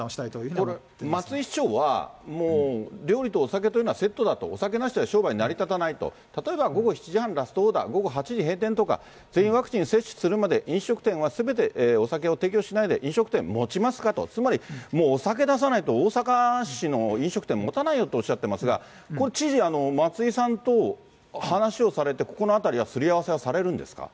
これ、松井市長は、もう、料理とお酒というのはセットだと、お酒なしじゃ商売成り立たないと、例えば午後７時半、ラストオーダー、午後８時閉店とか、全員ワクチン接種するまで、飲食店はすべて、お酒を提供しないで飲食店もちますか？とつまり、もうお酒出さないと、大阪市の飲食店、もたないよとおっしゃってますが、これ、知事、松井さんと話をされて、ここのあたりはすり合わせはされるんですか？